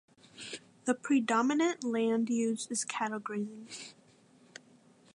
The predominant land use is cattle grazing.